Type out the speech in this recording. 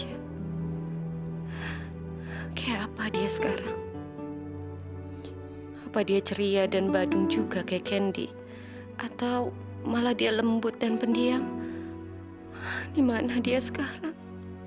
yaudah kamu tunggu sini biar kak boy pun yang meresin